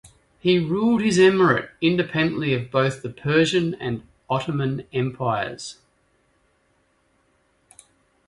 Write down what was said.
He ruled his emirate independently of both the Persian and Ottoman Empires.